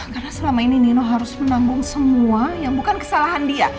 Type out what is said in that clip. karena selama ini nino harus menanggung semua yang bukan kesalahan dia